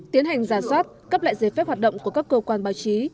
tiến hành giả sát cấp lại giải phép hoạt động của các cơ quan báo chí